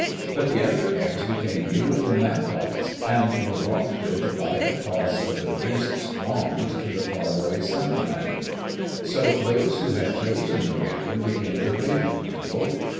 But the other eggs became beautiful macaws, and were wafted by a toss of the priest's wand to the faraway Summer land. So those who had chosen the raven, became the Raven People.